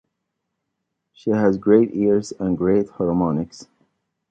She has great ears and great harmonics.